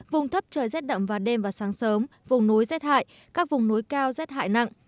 vùng thấp trời rét đậm vào đêm và sáng sớm vùng núi rét hại các vùng núi cao rét hại nặng